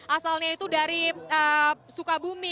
asalnya itu dari sukabumi